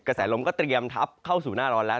แสลมก็เตรียมทับเข้าสู่หน้าร้อนแล้ว